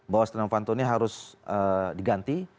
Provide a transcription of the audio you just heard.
bahwa stiano fanto ini harus diganti